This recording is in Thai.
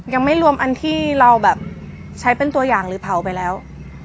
ยังไม่รวมอันที่เราแบบใช้เป็นตัวอย่างหรือเผาไปแล้ว